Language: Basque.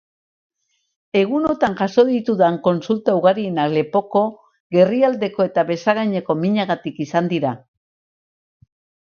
Egunotan jaso ditudan kontsulta ugarienak lepoko, gerrialdeko eta besagainetako minagatik izan dira.